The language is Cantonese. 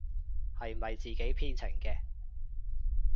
係咪自己編程嘅？